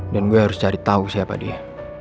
dan gue harus cari tau siapa dia